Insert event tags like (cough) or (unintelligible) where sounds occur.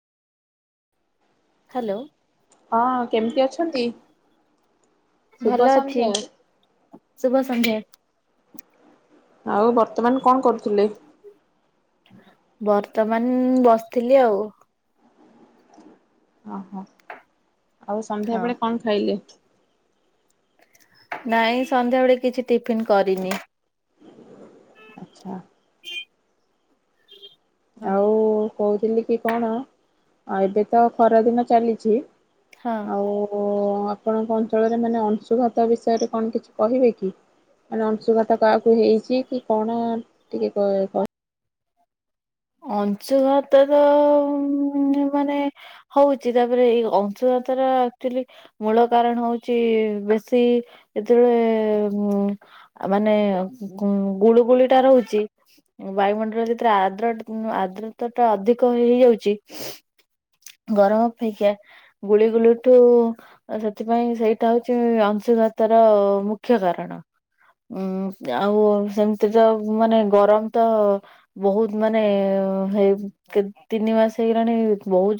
Hello ହଁ କେମିତି ଅଛନ୍ତି ଶୁଭ ସନ୍ଧ୍ୟା। ସୁଭ ସନ୍ଧ୍ୟା। ଆଉ ବର୍ତ୍ତମାନ କଣ କରୁଥିଲେ। ବର୍ତ୍ତମାନ ମୁଁ ବସିଥିଲି ଆଉ। ଓହୋ ଆଉ ହଁ ସନ୍ଧ୍ୟାବେଳେ କଣ ଖାଇଲେ। ନାଇଁ ସନ୍ଧ୍ୟାବେଳେ କିଛି ଟିଫନ୍ କରିନି। ଆଚ୍ଛା। (unintelligible) ଆଉ କହୁଥିଲି କି କଣ ଏବେ ତ ଖରାଦିନ ଚାଲିଛି। ହଁ ଆଉ ଆପଣଙ୍କ ଅଞ୍ଚଳରେ ମାନେ ଅଂଶୁଘାତ ବିଷୟରେ କଣ କିଛି କହିବେ କି? ମାନେ ଅଂଶୁଘଥା କାହାକୁ ହେଇଛି କି କଣ ଟିକେ। ଅଂଶୁଘାତର ମାନେ ମାନେ ହଉଛି ତାପରେ ଏଇ ଅଂଶୁଘାତ ର ଆଚୁଅଲି ମୂଳ କାରଣ ହଉଛି ବେଶୀ ଯେତଳେ ମୁଁ ମାନେ ଗୁଳୁ ଗୁଳି ଟା ରହୁଛି ବାୟୁମଣ୍ଡଳ ଯେଥିରେ ଆଦ୍ରଦ। ଆଦ୍ରତା ଟା ଅଧିକ ହେଇଯାଉଛି ଗରମ ପାଇଁକା। ଗୁଳିଗୁଳିଠୁ। ସେଥିପାଇଁ ସେଇଟା ହଉଛି ଅଂଶୀଘାତ ର ମୁଖ୍ୟ କାରଣ। ଉଁ ଆଉ ସେମିତି ତ ମାନେ ଗରମ ତ ବହୁତ ମାନେ। ମାନେ ହେ କେ ତିନି ମାସ ହେଇଗଲାଣି ବହୁତ